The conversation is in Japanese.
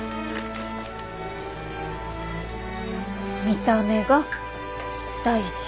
「見た目が大事」。